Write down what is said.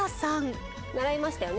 習いましたよね。